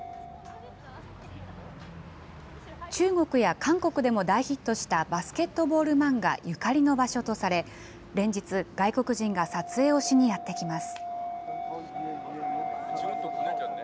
中国や韓国でも大ヒットしたバスケットボール漫画ゆかりの場所とされ、連日、外国人が撮影をしにやって来ます。